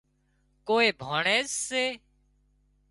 ڪوئي ڀانڻيز سي